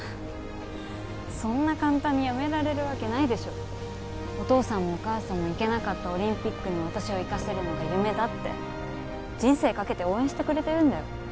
そんな簡単にやめられるわけないでしょお父さんもお母さんも行けなかったオリンピックに私を行かせるのが夢だって人生かけて応援してくれてるんだよ